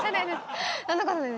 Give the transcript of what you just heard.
そんなことないです。